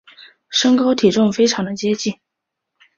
身高体重非常的接近